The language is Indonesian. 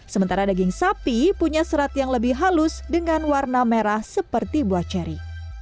sementara daging sapi punya serat yang lebih halus dengan warna merah seperti buah ceri